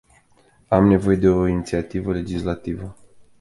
Avem nevoie de o inițiativă legislativă.